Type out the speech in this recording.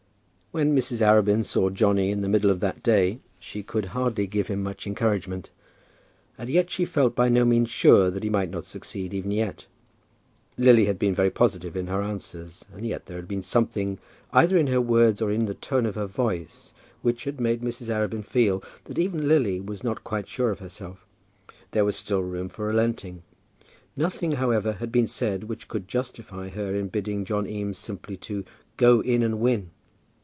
When Mrs. Arabin saw Johnny in the middle of that day, she could hardly give him much encouragement. And yet she felt by no means sure that he might not succeed even yet. Lily had been very positive in her answers, and yet there had been something, either in her words or in the tone of her voice, which had made Mrs. Arabin feel that even Lily was not quite sure of herself. There was still room for relenting. Nothing, however, had been said which could justify her in bidding John Eames simply "to go in and win."